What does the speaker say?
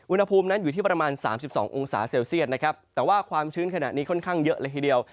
อุณหภูมินั้นอยู่ที่ประมาณ๓๒องศาเซลเซียตนะครับแต่ว่าความชื้นขณะนี้ค่อนข้างเยอะเลยทีเดียว